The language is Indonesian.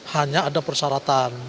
hanya ada persyaratan